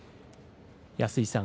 安井さん